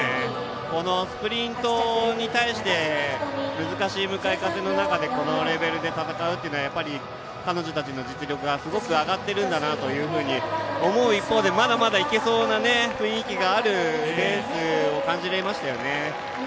このスプリントに対して難しい向かい風の中このレベルで戦うというのはやっぱり彼女たちの実力がすごく上がっていると思う一方でまだまだいけそうな雰囲気があるレースに感じられましたね。